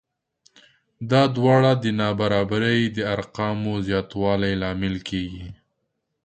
دا دواړه د نابرابرۍ د ارقامو د زیاتوالي لامل کېږي